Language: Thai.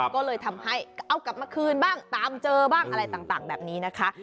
ก็เลยทำให้เอากลับมาคืนบ้างตามเจอบ้างอะไรต่างแบบนี้นะคะ